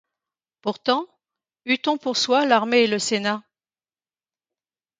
Pourtant, eût-on pour soi l'armée et le sénat